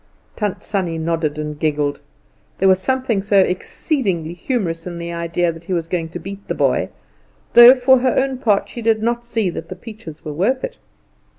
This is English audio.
Tant Sannie nodded, and giggled. There was something so exceedingly humorous in the idea that he was going to beat the boy, though for her own part she did not see that the peaches were worth it.